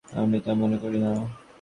আমি তা মনে করি না।